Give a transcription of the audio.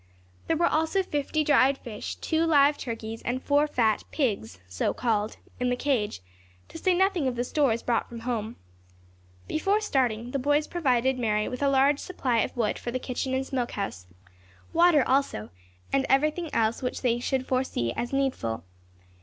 There were also fifty dried fish, two live turkeys, and four fat "pigs" (so called) in the cage, to say nothing of the stores brought from home. Before starting, the boys provided Mary with a large supply of wood for the kitchen and smoke house, water also, and everything else which they could foresee as needful.